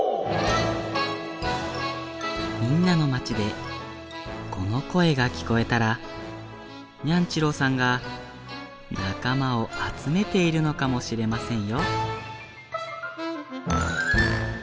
みんなのまちでこのこえがきこえたらニャンちろうさんがなかまをあつめているのかもしれませんよ。